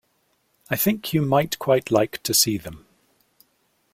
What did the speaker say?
I think you might quite like to see them.